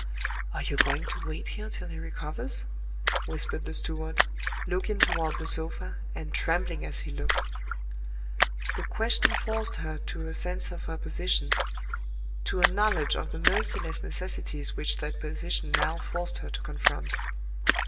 "Are you going to wait here till he recovers?" whispered the steward, looking toward the sofa, and trembling as he looked. The question forced her to a sense of her position to a knowledge of the merciless necessities which that position now forced her to confront.